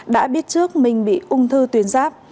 đã biết trước mình bị ung thư tuyến giáp